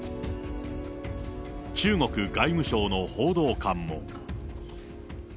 中国外務省の報道官も。